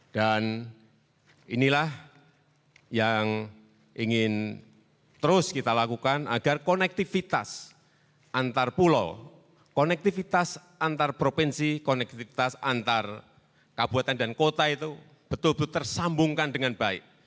dan inilah yang ingin terus kita lakukan agar konektivitas antar pulau konektivitas antar provinsi konektivitas antar kabupaten dan kota itu betul betul tersambungkan dengan baik